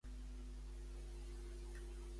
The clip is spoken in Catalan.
Va arribar a ser batllessa?